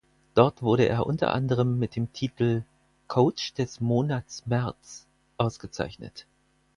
Dort wurde er unter anderem mit dem Titel „Coach des Monats März“ ausgezeichnet.